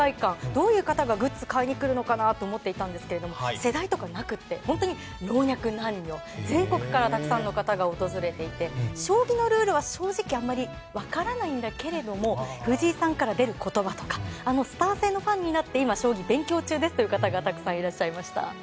どういう方がグッズを買いに来るのかなと思っていたんですが世代とかなくて、本当に老若男女全国からたくさんの方が訪れていて将棋のルールは正直あまりわからないけど藤井さんから出る言葉とかスター性のファンになって将棋を勉強中ですというファンがたくさんいらっしゃいました。